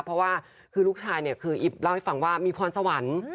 เพราะว่าคือลูกชายเนี่ยคืออิฟเล่าให้ฟังว่ามีพรสวรรค์